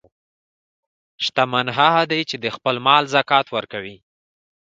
شتمن هغه دی چې د خپل مال زکات ورکوي.